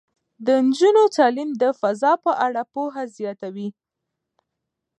د نجونو تعلیم د فضا په اړه پوهه زیاتوي.